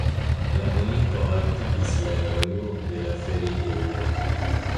La milito haltigis la evoluon de la feriejo.